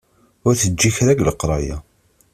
Ur teǧǧi kra deg leqraya.